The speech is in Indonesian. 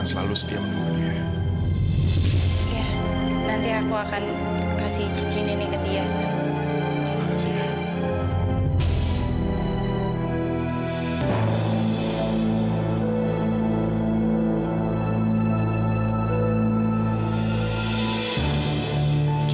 terima kasih bapak